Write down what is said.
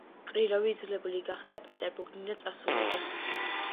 კრილოვი იძულებული გახდა პეტერბურგიდან წასულიყო.